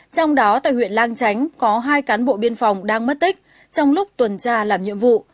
trong đó tại huyện lang chánh có hai cán bộ biên phòng đang mất tích trong lúc tuần tra làm nhiệm vụ